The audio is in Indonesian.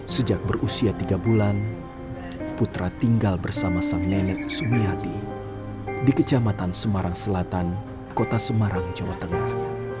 sejak berusia tiga bulan putra tinggal bersama sang nenek sumiati di kecamatan semarang selatan kota semarang jawa tengah